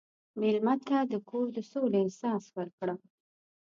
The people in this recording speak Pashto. مېلمه ته د کور د سولې احساس ورکړه.